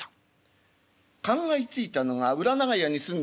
考えついたのが裏長屋に住んでおります浪人。